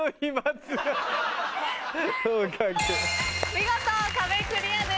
見事壁クリアです。